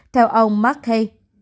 theo ông mark hay